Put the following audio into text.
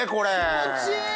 気持ちいい！